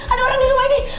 ada orang di rumah nih